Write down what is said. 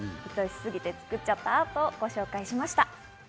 好き過ぎて作っちゃったアートをご紹介しました。